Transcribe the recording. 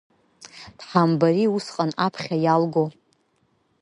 Дҳамбари усҟан аԥхьа иалго.